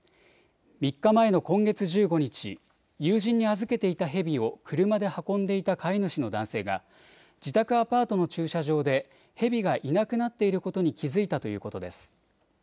３日前の今月１５日、友人に預けていたヘビを車で運んでいた飼い主の男性が自宅アパートの駐車場でヘビがいなくなっていることに気付いたということです。